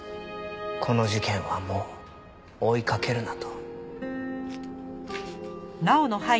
「この事件はもう追いかけるな」と。